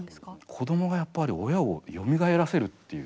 子どもがやっぱり親をよみがえらせるっていう。